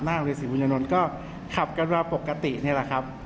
นั่งเรียนศรีพุญญานนท์ก็ขับกันว่าปกตินี่แหละครับ